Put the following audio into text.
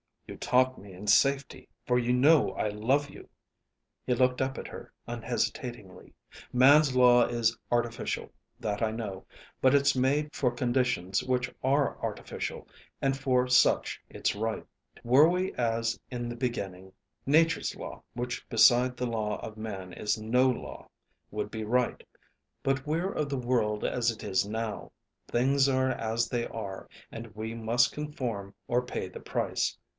"You taunt me in safety, for you know I love you." He looked up at her unhesitatingly. "Man's law is artificial, that I know; but it's made for conditions which are artificial, and for such it's right. Were we as in the beginning, Nature's law, which beside the law of man is no law, would be right; but we're of the world as it is now. Things are as they are, and we must conform or pay the price."